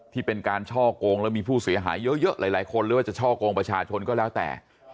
ที่เป็นการช่อกงแล้วมีผู้เสียหายเยอะหลายคนหรือว่าจะช่อกงประชาชนก็แล้วแต่